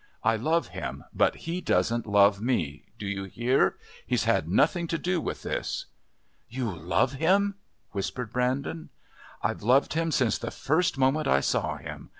I love him, but he doesn't love me. Do you hear? He's had nothing to do with this!" "You love him!" whispered Brandon. "I've loved him since the first moment I saw him.